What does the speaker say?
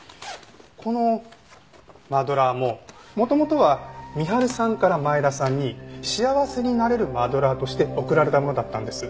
このマドラーも元々は深春さんから前田さんに幸せになれるマドラーとして贈られたものだったんです。